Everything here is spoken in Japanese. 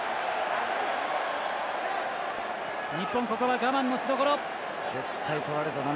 日本、ここは我慢のしどころ。